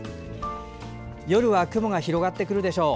夜は雲が広がってくるでしょう。